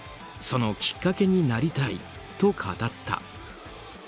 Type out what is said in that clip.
そのきっかけになりたいと語った。